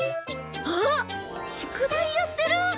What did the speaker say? あっ宿題やってる！